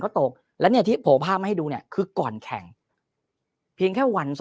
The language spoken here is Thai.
มันก็ตกและเนี่ยที่โผล่ภาพไว้ดูนะคือก่อนแข่งแค่วัน